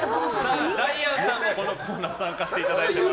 ダイアンさんも、このコーナー参加していただきます。